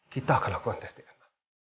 kita akan lakukan tes dna